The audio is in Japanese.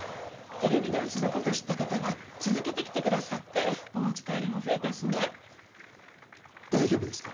テレビでうちのこと知った方が続けて来てくださってお持ち帰りも増えたしね大丈夫ですか？